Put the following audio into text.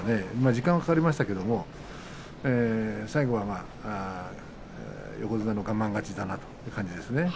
時間はかかりましたけど最後は横綱の我慢勝ちだなという感じですね。